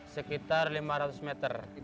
sekitar lima ratus meter